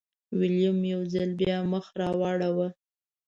ویلیم یو ځل بیا مخ راواړوه.